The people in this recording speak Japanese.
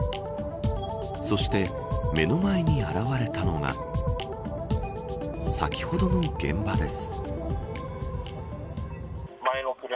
そして、目の前に現れたのが先ほどの現場です。